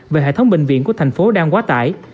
về hệ thống bệnh viện của thành phố đang quá tải